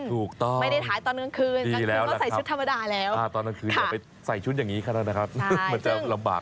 ถูกต้องดีแล้วนะครับตอนกลางคืนอย่าไปใส่ชุดอย่างนี้ค่ะแล้วมันจะลำบาก